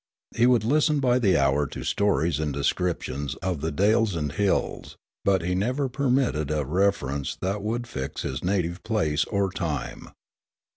He would listen by the hour to stories and descriptions of the dales and hills ; but he never permitted a reference that would fix his native place or time.